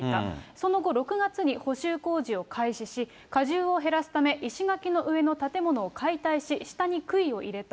その後、６月に補修工事を開始し、加重を減らすため、石垣の上の建物を解体し、下にくいを入れた。